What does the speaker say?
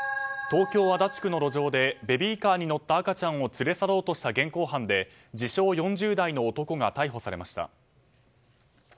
東京・足立区の路上でベビーカーに乗った赤ちゃんを連れ去ろうとした現行犯で自称４０代の男が逮捕されました。